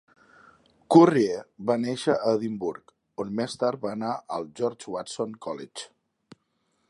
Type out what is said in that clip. Currie va néixer a Edimburg, on més tard va anar al George Watson's College.